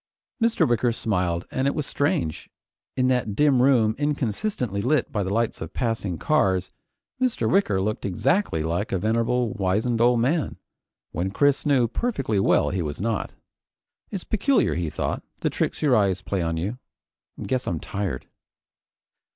Mr. Wicker smiled, and it was strange, in that dim room inconsistently lit by the lights of passing cars, Mr. Wicker looked exactly like a venerable, wizened old man, when Chris knew perfectly well he was not. It's peculiar, he thought, the tricks your eyes play on you. Guess I'm tired.